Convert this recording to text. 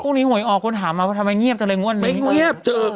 พรุ่งนี้หวยออกคนถามมาว่าทำไมเงียบจะเลยงวดไม่เงียบเธอ